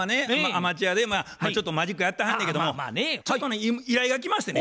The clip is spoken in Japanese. アマチュアでちょっとマジックやってはんねやけどもちょっとね依頼が来ましてね。